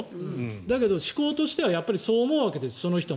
だけど、思考としてはそう思うわけです、その人も。